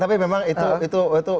tapi memang itu